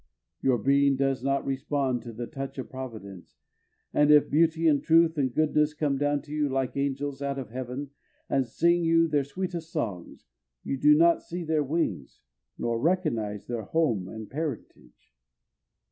Your being does not respond to the touch of Providence, and if beauty and truth and goodness come down to you like angels out of heaven and sing you their sweetest songs, you do not see their wings, nor recognize their home and parentage.